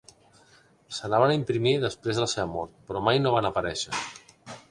S'anaven a imprimir després de la seva mort, però mai no van aparèixer.